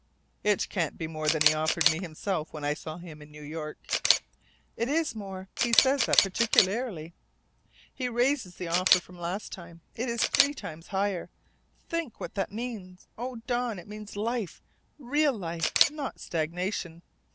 "It can't be more than he offered me himself when I saw him in New York " "It is more. He says that particularly. He raises the offer from last time. It is three times higher! Think what that means. Oh, Don, it means life, real life, not stagnation!